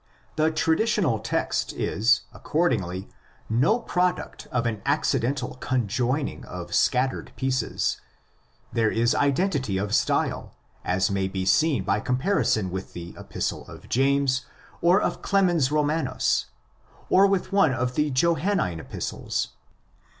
The traditional text is accordingly no product of an acci dental conjoining of scattered pieces. There is identity of style, as may be seen by comparison with the Epistle of James or of Clemens Romanus or with one 108 THE EPISTLE TO THE ROMANS of the Johannine Epistles.